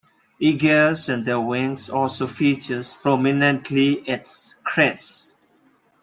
Eagles and their wings also feature prominently as crests.